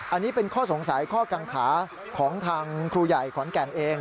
อันนี้เป็นข้อสงสัยข้อกังขาของทางครูใหญ่ขอนแก่นเอง